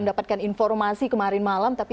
mendapatkan informasi kemarin malam tapi